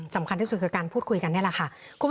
สำคัญที่สุดคือการพูดคุยกันนี่แหละค่ะ